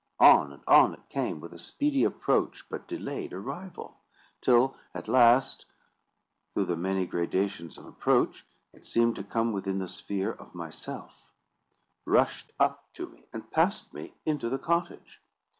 On and on it came, with a speedy approach but delayed arrival; till, at last, through the many gradations of approach, it seemed to come within the sphere of myself, rushed up to me, and passed me into the cottage.